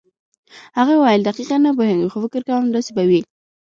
هغه وویل دقیقاً نه پوهېږم خو فکر کوم داسې به وي.